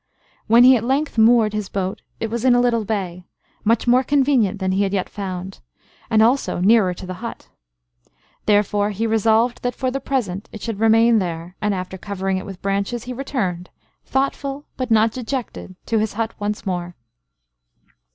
When he at length moored his boat, it was in a little bay, much more convenient than he had yet found, and also nearer to the hut: therefore he resolved that for the present it should remain there; and after covering it with branches, he returned, thoughtful, but not dejected, to his hut once more.